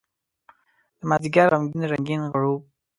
دمازدیګر غمګین رنګین غروب